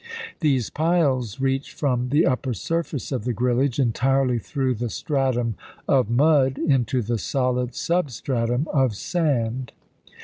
These piles reached from the upper surface of the grillage entirely through the stratum of mud into the solid substratum of sand.